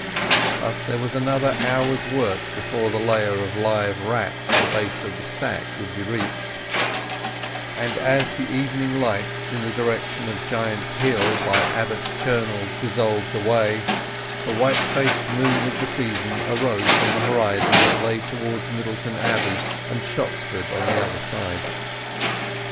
But there was another hour's work before the layer of live rats at the base of the stack would be reached; and as the evening light in the direction of the Giant's Hill by Abbot's Cernel dissolved away, the white faced moon of the season arose from the horizon that lay towards Middleton Abbey and Shottsford on the other side.